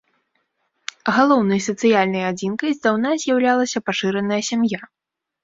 Галоўнай сацыяльнай адзінкай здаўна з'яўлялася пашыраная сям'я.